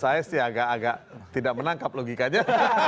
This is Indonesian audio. saya sih agak agak tidak menangkap logikanya